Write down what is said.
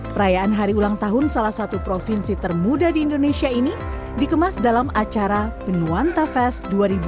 perayaan hari ulang tahun salah satu provinsi termuda di indonesia ini dikemas dalam acara benuanta fest dua ribu dua puluh